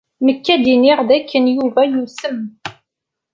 Nekk ad d-iniɣ dakken Yuba yusem.